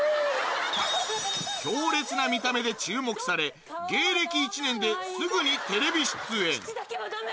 強烈な見た目で注目され芸歴１年ですぐにテレビ出演口だけはダメ！